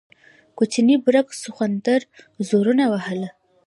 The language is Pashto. کوچني برګ سخوندر زورونه وهل.